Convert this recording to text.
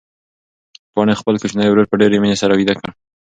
پاڼې خپل کوچنی ورور په ډېرې مینې سره ویده کړ.